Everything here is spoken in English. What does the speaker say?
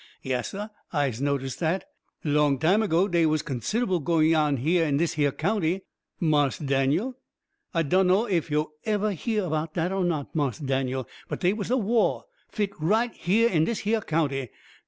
Yass, SAH, I'se notice dat! Long time ago dey was consid'ble gwines on in dis hyah county, Marse Daniel. I dunno ef yo' evah heah 'bout dat o' not, Marse Daniel, but dey was a wah fit right hyah in dis hyah county.